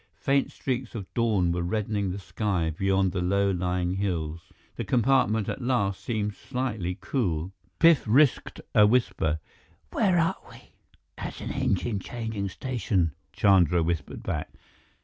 Faint streaks of dawn were reddening the sky beyond low lying hills. The compartment at last seemed slightly cool. Biff risked a whisper. "Where are we?" "At an engine changing station," Chandra whispered back.